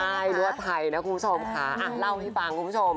ใช่ทั่วไทยนะคุณผู้ชมค่ะเล่าให้ฟังคุณผู้ชม